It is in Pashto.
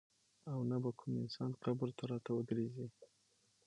او نه به کوم انسان قبر ته راته ودرېږي.